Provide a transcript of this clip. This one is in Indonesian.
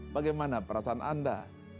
bagaimana perasaan anda